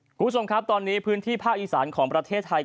คุณผู้ชมครับตอนนี้พื้นที่ภาคอีสานของประเทศไทย